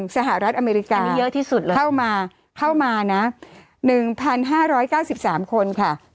๑สหรัฐอเมริกาเข้ามา๑๕๙๓คนค่ะ